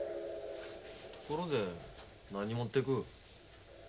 ところで何持っていく？